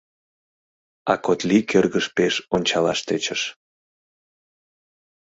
А Котли кӧргыш пеш ончалаш тӧчыш.